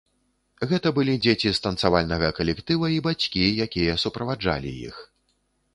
Гэта былі дзеці з танцавальнага калектыва і бацькі, якія суправаджалі іх.